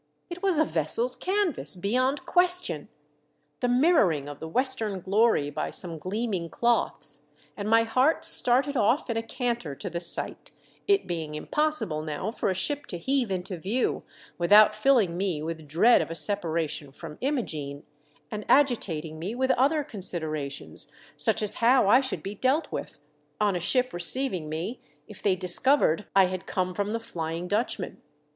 It was a vessel's canvas beyond question ; the mirroring of the western glory by some gleaming cloths ; and my heart started off in a canter to the sight, it being impossible now for a ship to heave into view without filling me with dread of a separation from Imogene, and agitating me with other considerations, such as how I should be dealt with, on a ship receiving me, if they dis covered I had come from the Flying Dutch man.